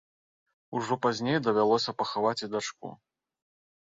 Ужо пазней давялося пахаваць і дачку.